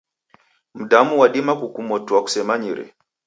Mdamu wadima kukumotua kusemanyire.